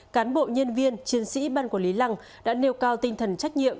cán bộ nhân viên chiến sĩ ban quản lý lăng đã nêu cao tinh thần trách nhiệm